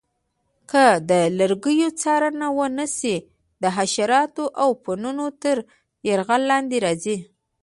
که د لرګیو څارنه ونه شي د حشراتو او پوپنکو تر یرغل لاندې راځي.